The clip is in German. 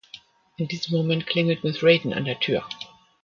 In diesem Moment klingelt Miss Raton an der Tür.